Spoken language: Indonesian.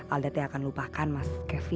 alda t akan lupakan mas kevin